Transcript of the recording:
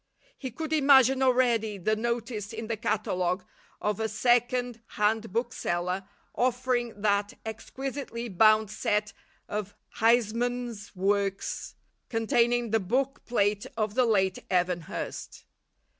He could imagine already the notice in the catalogue of a second hand bookseller offering that exquisitely bound set of Huysman's works, "containing the book plate of the late Evan Hurst."